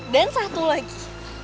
dan satu lagi